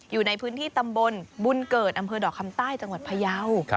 อยู่ในพื้นที่ตำบลบุญเกิดอำเภอดอกคำใต้จังหวัดพยาว